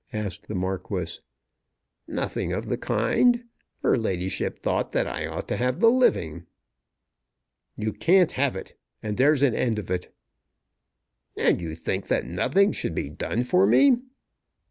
asked the Marquis. "Nothing of the kind. Her ladyship thought that I ought to have the living." "You can't have it; and there's an end of it." "And you think that nothing should be done for me?"